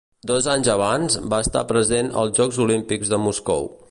Dos anys abans, va estar present als Jocs Olímpics de Moscou.